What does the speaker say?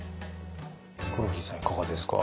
ヒコロヒーさんいかがですか？